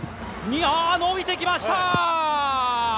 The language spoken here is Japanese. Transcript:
伸びてきました！